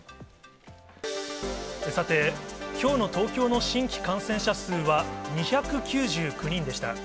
さて、きょうの東京の新規感染者数は２９９人でした。